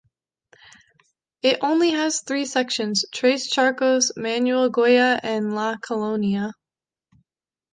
It only has three Sections: Tres Charcos, Manuel Goya and La Colonia.